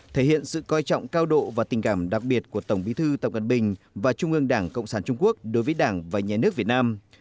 thể hiện sự coi trọng cao độ và tình cảm đặc biệt của tổng bí thư tập cận bình và trung ương đảng cộng sản trung quốc đối với đảng và nhà nước việt nam